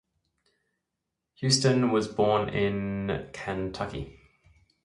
Houston was born in Kentucky.